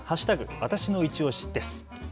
わたしのいちオシです。